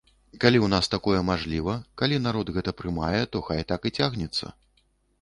Калі ў нас такое мажліва, калі народ гэта прымае, то хай так і цягнецца.